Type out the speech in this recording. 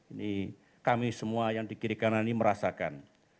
ini kami semua yang di kiri kanan ini merasakan